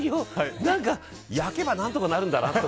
焼けば何にとかなるんだなと。